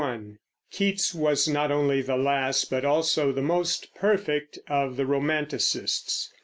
JOHN KEATS (1795 1821) Keats was not only the last but also the most perfect of the Romanticists.